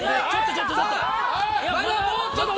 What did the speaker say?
ちょっとちょっと！